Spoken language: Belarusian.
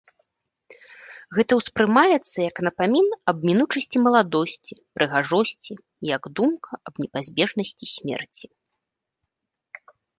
Гэта ўспрымаецца як напамін аб мінучасці маладосці, прыгажосці, як думка аб непазбежнасці смерці.